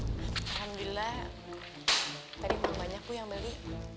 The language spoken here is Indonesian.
alhamdulillah tadi belum banyak bu yang beli